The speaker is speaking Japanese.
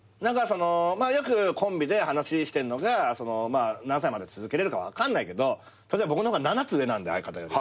よくコンビで話してるのが何歳まで続けれるか分かんないけど僕の方が７つ上なんで相方より。